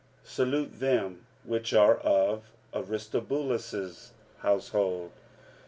Salute them which are of Aristobulus' household.